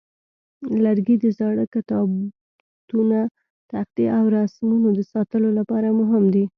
لرګي د زاړه کتابتونه، تختې، او رسمونو د ساتلو لپاره مهم دي.